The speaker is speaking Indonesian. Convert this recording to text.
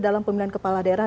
dalam pemilihan kepala daerah